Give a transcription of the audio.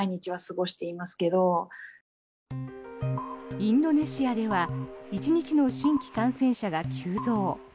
インドネシアでは１日の新規感染者が急増。